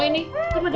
mau dibawa gak ini